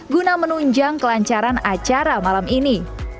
guna menunjang kelancaran acara malam ini